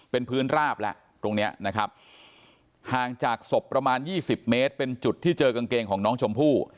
เป็นพื้นราบแล้วตรงเนี้ยนะครับห่างจากศพประมาณยี่สิบเมตรเป็นจุดที่เจอกางเกงของน้องชมพู่